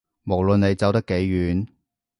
無論你走得幾遠